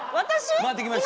回ってきました。